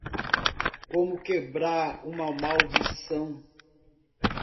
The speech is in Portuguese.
Como quebrar uma maldição